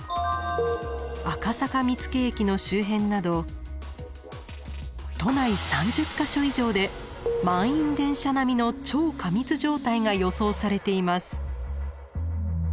赤坂見附駅の周辺など都内３０か所以上で満員電車並みの超過密状態が予想されています。